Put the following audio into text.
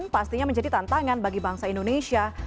pastinya menjadi tantangan bagi bangsa indonesia